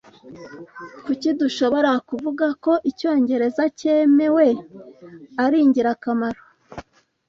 Kuki dushobora kuvuga ko icyongereza cyemewe ari ingirakamaro?